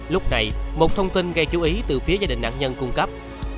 lúc này một thông tin gây chú ý từ phía gia đình nạn nhân cung cấp